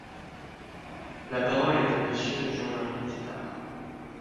La parole est à Monsieur Jean-Marie Tetart.